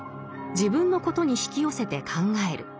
自分のことに引き寄せて考える。